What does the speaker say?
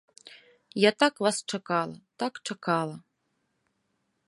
Я так вас чакала, так чакала.